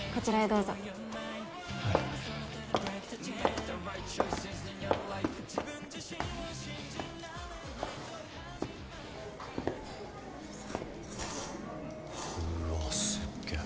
うわぁすっげぇ。